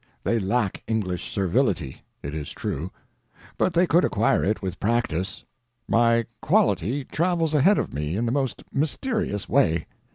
They lack English servility, it is true—but they could acquire it, with practice. My quality travels ahead of me in the most mysterious way.